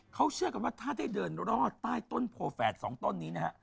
เขาเชื่อกันว่าถ้าได้เดินรอดใต้ต้นโพแฝดสองต้นนี้นะฮะ